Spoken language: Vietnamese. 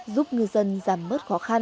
giúp ngư dân giảm mất khó khăn